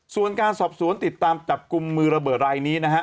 ส่วนการสอบสวนติดตามจับกลุ่มมือระเบิดรายนี้นะฮะ